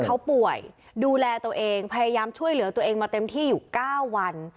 เขาป่วยดูแลตัวเองพยายามช่วยเหลือตัวเองมาเต็มที่อยู่๙วัน